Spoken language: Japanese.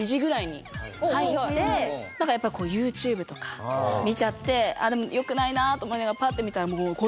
入ってＹｏｕＴｕｂｅとか見ちゃって「でもよくないな」と思いながらパッて見たらもう。